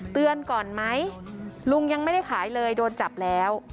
เตือนก่อนไหมลุงยังไม่ได้ขายเลยโดนจับแล้ว